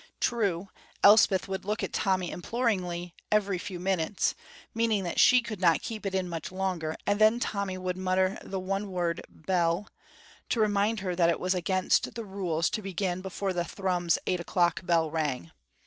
True, Elspeth would look at Tommy imploringly every few minutes, meaning that she could not keep it in much longer, and then Tommy would mutter the one word "Bell" to remind her that it was against the rules to begin before the Thrums eight o'clock bell rang.